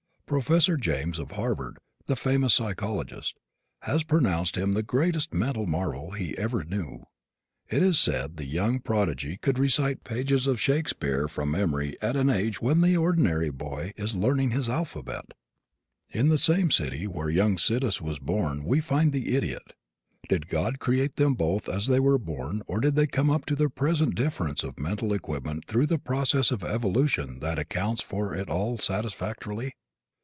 Professor James, of Harvard, the famous psychologist, has pronounced him the greatest mental marvel he ever knew. It is said the young prodigy could recite pages of Shakespeare from memory at an age when the ordinary boy is learning his alphabet. In the same city where young Sidis was born we find the idiot. Did God create them both as they were born or did they come up to their present difference of mental equipment through a process of evolution that accounts for it all satisfactorily?